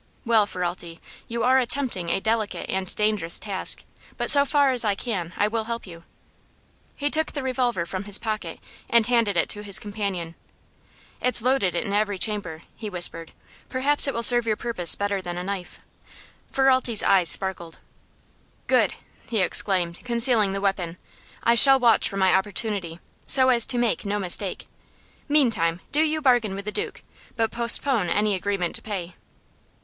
"Well, Ferralti, you are attempting a delicate and dangerous task, but so far as I can, I will help you." He took the revolver from his pocket and handed it to his companion. "It's loaded in every chamber," he whispered. "Perhaps it will serve your purpose better than a knife." Ferralti's eyes sparkled. "Good!" he exclaimed, concealing the weapon. "I shall watch for my opportunity, so as to make no mistake. Meantime, do you bargain with the Duke, but postpone any agreement to pay."